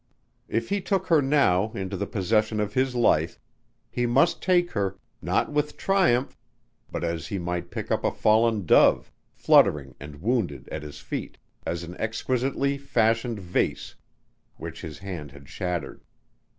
If he took her now into the possession of his life, he must take her, not with triumph but as he might pick up a fallen dove, fluttering and wounded at his feet as an exquisitely fashioned vase which his hand had shattered.